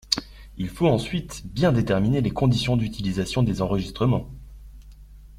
Il faut ensuite bien déterminer les conditions d’utilisation des enregistrements.